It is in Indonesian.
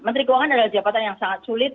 menteri keuangan adalah jabatan yang sangat sulit